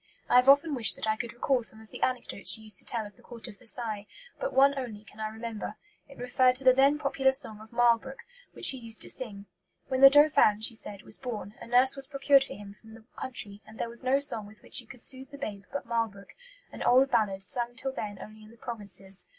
I have often wished that I could recall some of the anecdotes she used to tell of the Court of Versailles, but one only can I remember; it referred to the then popular song of 'Marlbrook,' which she used to sing. 'When the Dauphin,' she said, 'was born, a nurse was procured for him from the country, and there was no song with which she could soothe the babe but 'Marlbrook,' an old ballad, sung till then only in the provinces.